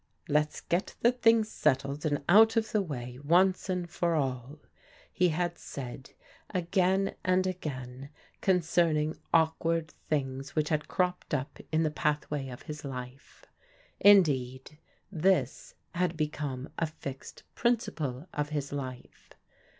" Let's get the thing settled, and out of the way once for all," he had said again and again concerning awkward things which had cropped up in the pathway of his life. Indeed, this had become a fixed principle of his life.